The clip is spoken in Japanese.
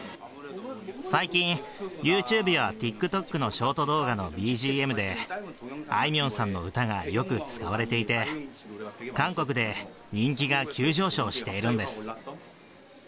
最近、ユーチューブやＴｉｋＴｏｋのショート動画のＢＧＭで、あいみょんさんの歌がよく使われていて、韓国で人気が急上昇しているんです。